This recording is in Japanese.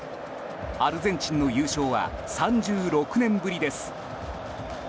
アルゼンチンの優勝は３６年ぶりです。